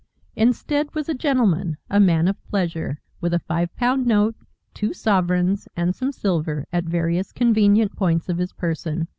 Instead was a gentleman, a man of pleasure, with a five pound note, two sovereigns, and some silver at various convenient points of his person.